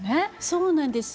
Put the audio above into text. そうなんです。